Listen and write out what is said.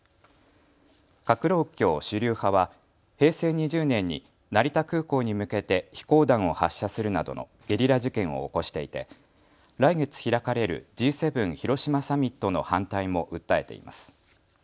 革労協主流派は平成２０年に成田空港に向けて飛行弾を発射するなどのゲリラ事件を起こしていて来月開かれるＧ７広島サミットの反対も訴えています。